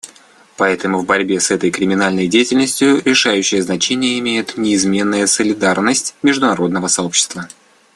Поэтому в борьбе с этой криминальной деятельностью решающее значение имеет неизменная солидарность международного сообщества.